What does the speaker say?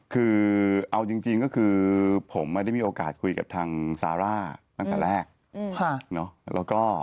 คือเอาจริงก็คือผมไม่ได้มีโอกาสคุยกับทางซาร่าตั้งแต่แรก